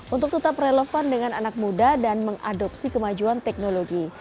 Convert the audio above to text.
untuk tetap relevan dengan anak muda dan mengadopsi kemajuan teknologi